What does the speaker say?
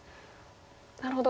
なるほど。